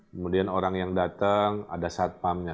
kemudian orang yang datang ada satpamnya